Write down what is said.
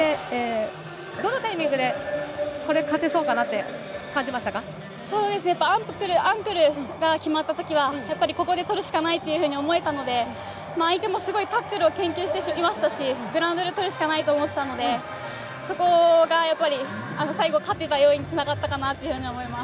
どのタイミングでこれ、やっぱりアンクルが決まったときは、やっぱりここで取るしかないというふうに思えたので、相手もすごいタックルを研究していましたし、グラウンドで取るしかないと思ってたので、そこがやっぱり、最後勝てた要因につながったかなと思います。